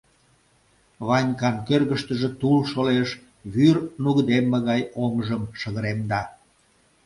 Ванькан кӧргыштыжӧ тул шолеш, вӱр нугыдемме гай оҥжым шыгыремда.